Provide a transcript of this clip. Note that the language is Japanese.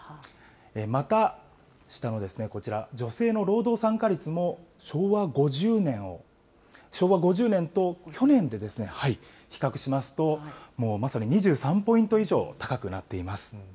また、下のこちら、女性の労働参加率も、昭和５０年と去年で比較しますと、もうまさに２３ポイント以上高くなっています。